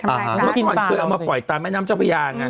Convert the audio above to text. เมื่อก่อนเคยเอามาปล่อยตามแม่น้ำเจ้าพญาไง